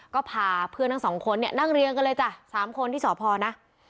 ก็พาเพื่อนทั้งสองคนเนี่ยนั่งเรียงกันเลยจ้ะ๓คนที่สพนะ